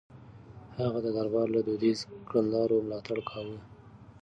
هغه د دربار له دوديزو کړنلارو ملاتړ کاوه.